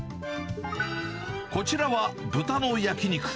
こちらは豚の焼肉。